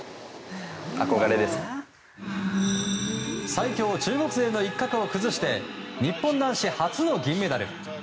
最強、中国勢の一角を崩して日本男子初の銀メダル。